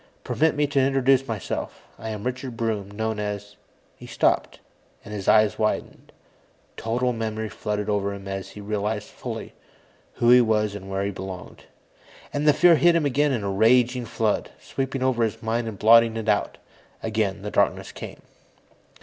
Permit me to introduce myself. I am Richard Broom, known as " He stopped, and his eyes widened. Total memory flooded over him as he realized fully who he was and where he belonged. And the fear hit him again in a raging flood, sweeping over his mind and blotting it out. Again, the darkness came.